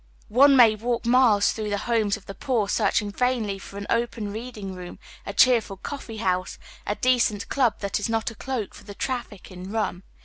One may walk many miles through the homes of the poor searching vainly for an open reading room, a cheer ful coffee house, a deeentclub that is not a cloak for the traffic in rum.